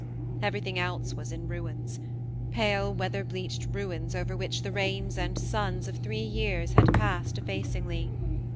Everything else was in ruins : pale weather bleached ruins over which the rains and suns of three years had passed effacingly.